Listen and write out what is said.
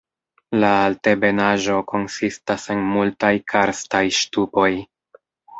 La altebenaĵo konsistas en multaj karstaj ŝtupoj.